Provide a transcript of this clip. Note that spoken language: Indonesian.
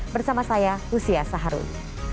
bersama saya husya saharul